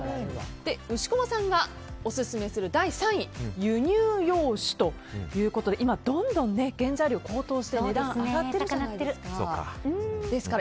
牛窪さんがオススメする第３位輸入洋酒ということで今、どんどん原材料が高騰して値段が上がってるじゃないですか。